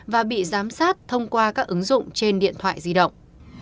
và bị giám sát thông qua các ứng dụng trên điện thoại di động